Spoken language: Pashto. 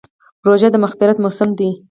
روژه د مغفرت موسم دی.